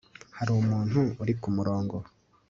hari umuntu uri kumurongo